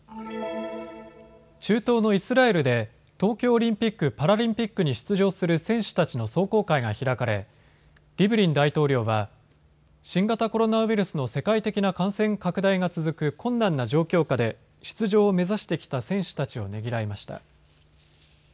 中東のイスラエルで東京オリンピック・パラリンピックに出場する選手たちの壮行会が開かれリブリン大統領は新型コロナウイルスの世界的な感染拡大が続く困難な状況下で出場を目指してきた選手たちをねぎらいました。